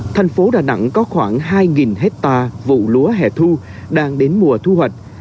thành phố đà nẵng có khoảng hai hectare vụ lúa hẻ thu đang đến mùa thu hoạch